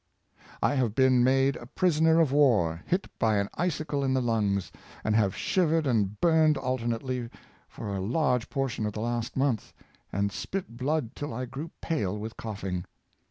I have been made a prisoner of war, hit by an icicle in the lungs, and have shivered and burned alternately for a large portion of the last month, and spit blood till I grew pale with coughing.